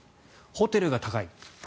ホテルが高い。